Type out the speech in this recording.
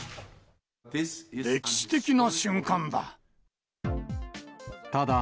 歴史的な瞬間だ。